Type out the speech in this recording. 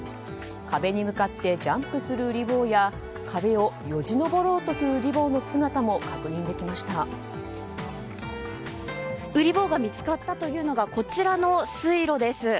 壁に向かってジャンプするうり坊や壁をよじ登ろうとするうり坊の姿もうり坊が見つかったというのがこちらの水路です。